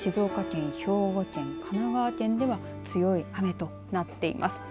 そのほか静岡県、兵庫県神奈川県では強い雨となっています。